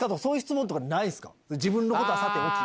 自分のことはさておき。